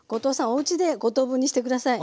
おうちで５等分にして下さい。